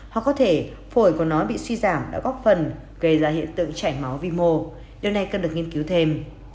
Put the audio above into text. họ có thể phổi của nó bị suy giảm đã góp phần gây ra hiện tượng chảy máu vi mô điều này cần được nghiên cứu thêm